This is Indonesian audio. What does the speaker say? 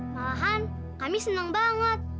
malahan kami senang banget